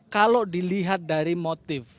kalau dilihat dari motif